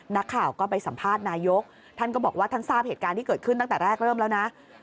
นักข่าวก็ไปสัมภาษณ์นายกท่านก็บอกว่าท่านทราบเหตุการณ์ที่เกิดขึ้นตั้งแต่แรกเริ่มแล้วนะ